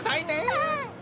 うん！